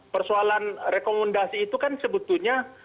persoalan rekomendasi itu kan sebetulnya